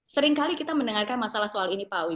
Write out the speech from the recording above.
seringkali kita mendengarkan masalah soal ini pak awi